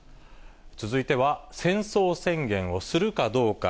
続いては、戦争宣言をするかどうか。